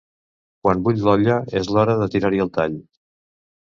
Quan bull l'olla és l'hora de tirar-hi el tall.